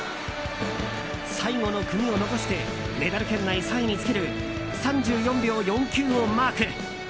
最後の組を残してメダル圏内３位につける３４秒４９をマーク。